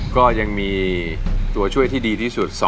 ก็ยังมีตัวช่วยที่ดีที่สุด